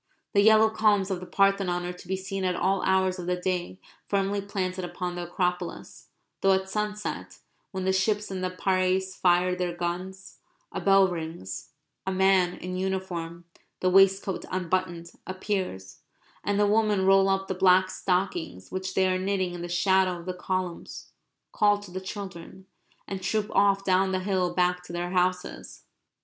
The yellow columns of the Parthenon are to be seen at all hours of the day firmly planted upon the Acropolis; though at sunset, when the ships in the Piraeus fire their guns, a bell rings, a man in uniform (the waistcoat unbuttoned) appears; and the women roll up the black stockings which they are knitting in the shadow of the columns, call to the children, and troop off down the hill back to their houses.